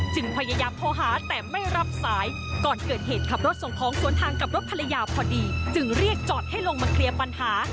พยายามโทรหาแต่ไม่รับสายก่อนเกิดเหตุขับรถส่งของสวนทางกับรถภรรยาพอดีจึงเรียกจอดให้ลงมาเคลียร์ปัญหา